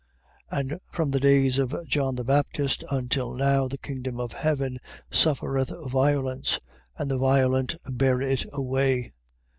11:12. And from the days of John the Baptist until now, the kingdom of heaven suffereth violence, and the violent bear it away.